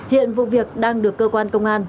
hiện vụ việc đang được cơ quan công an